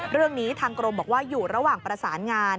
เรื่องนี้ทางกรมบอกว่าอยู่ระหว่างประสานงาน